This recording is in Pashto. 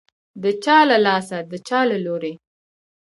د چا له لاسه، د چا له لوري